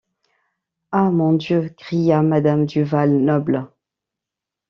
Ah! mon Dieu ! cria madame du Val-Noble.